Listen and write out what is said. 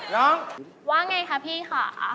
น้องว่าไงคะพี่ค่ะ